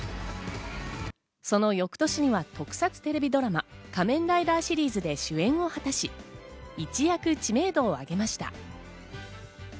その翌年には特撮テレビドラマ・仮面ライダーシリーズで主演を果たし、一躍、知名度を上げました。